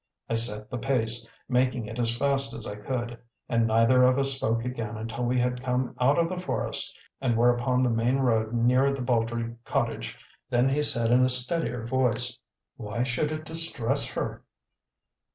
I set the pace, making it as fast as I could, and neither of us spoke again until we had come out of the forest and were upon the main road near the Baudry cottage. Then he said in a steadier voice: "Why should it distress her?"